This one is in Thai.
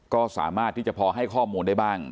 ก็สามารถที่จะพอให้ข้อมูลได้บ้าง